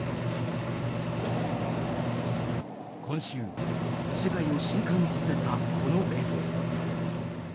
今週世界を震撼させたこの映像。